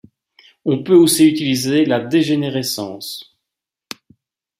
On peut aussi utiliser la dégénérescence.